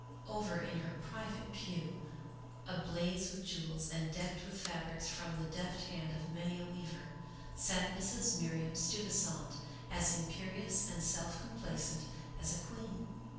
Over in her private pew, ablaze with jewels, and decked with fabrics from the deft hand of many a weaver, sat Mrs. Miriam Steuvisant as imperious and self complacent as a queen.